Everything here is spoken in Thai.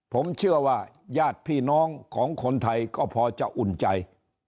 ผมเชื่อว่าญาติพี่น้องของคนไทยก็พอจะอุ่นใจ